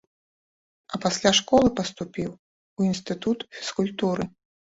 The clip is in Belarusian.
А пасля школы паступіў у інстытут фізкультуры.